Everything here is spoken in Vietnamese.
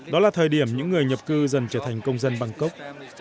đó là thời điểm những người nhập cư dần trở thành công dân bangkok